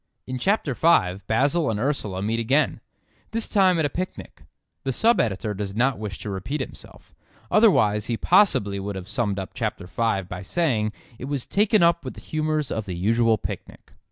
In chapter five Basil and Ursula meet again; this time at a picnic. The sub editor does not wish to repeat himself, otherwise he possibly would have summed up chapter five by saying it was "taken up with the humours of the usual picnic."